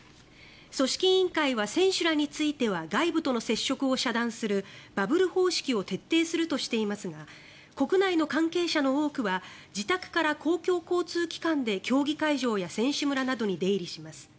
組織委員会は選手らについては外部との接触を遮断するバブル方式を徹底するとしていますが国内の関係者の多くは自宅から公共交通機関で競技会場や選手村などに出入りします。